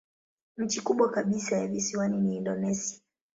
Nchi kubwa kabisa ya visiwani ni Indonesia.